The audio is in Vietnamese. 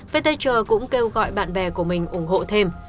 pt trờ cũng kêu gọi bạn bè của mình ủng hộ thêm